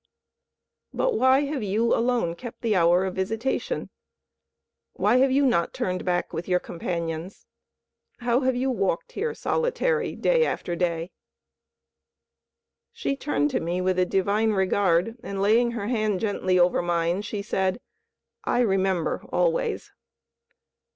"But why have you alone kept the hour of visitation? Why have you not turned back with your companions? How have you walked here solitary day after day?" She turned to me with a divine regard, and laying her hand gently over mine, she said, "I remember always."